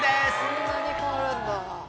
こんなに変わるんだ。